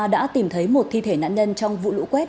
đã tìm thấy một thi thể nạn nhân trong vụ lũ quét